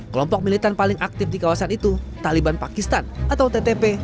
kelompok militan paling aktif di kawasan itu taliban pakistan atau ttp